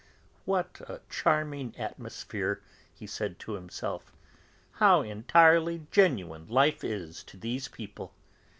"What a charming atmosphere!" he said to himself. "How entirely genuine life is to these people!